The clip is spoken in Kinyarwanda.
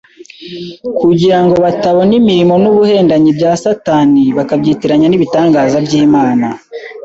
kugira ngo batabona imirimo n’ubuhendanyi bya Satani bakabyitiranya n’ibitangaza by’Imana.